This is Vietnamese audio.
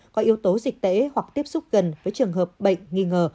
có yếu tố dịch tễ hoặc tiếp xúc gần với trường hợp bệnh nghi ngờ